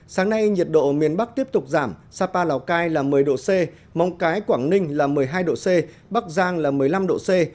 sáng nay nhiệt độ miền bắc tiếp tục giảm sapa lào cai là một mươi độ c móng cái quảng ninh là một mươi hai độ c bắc giang là một mươi năm độ c